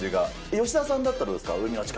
吉沢さんだったらどうですか？